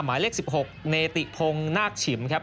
หมายเลข๑๖เนติพงศ์นาคฉิมครับ